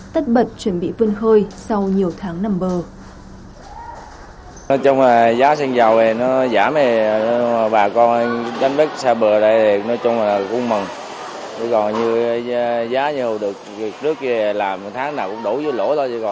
tất bật chuẩn bị vươn khơi sau nhiều tháng nằm bờ